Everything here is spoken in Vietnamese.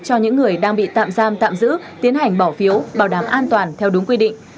cho những người đang bị tạm giam tạm giữ tiến hành bỏ phiếu bảo đảm an toàn theo đúng quy định